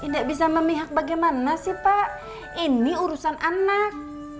tidak bisa memihak bagaimana sih pak ini urusan anak